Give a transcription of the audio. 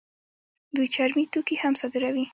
دوی چرمي توکي هم صادروي.